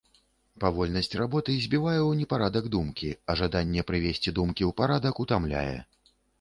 Павольнасць работы збівае ў непарадак думкі, а жаданне прывесці думкі ў парадак утамляе.